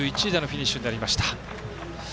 ３１位でのフィニッシュになりました。